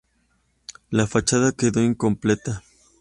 La fachada quedó incompleta.